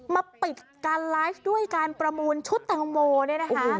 มาปิดการไลฟ์ด้วยการประมูลชุดแตงโมเนี่ยนะคะ